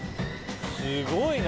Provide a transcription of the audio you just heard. すごいな。